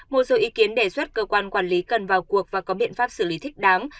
một số ý kiến đề xuất cơ quan quản lý cần vào cuộc và có biện pháp xử lý thích đáng